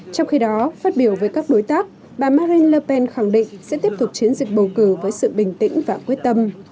trong khi đó phát biểu với các đối tác bà marin le pen khẳng định sẽ tiếp tục chiến dịch bầu cử với sự bình tĩnh và quyết tâm